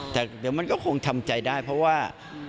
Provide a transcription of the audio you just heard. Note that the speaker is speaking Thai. แต่เดี๋ยวมันก็คงทำใจได้เพราะว่า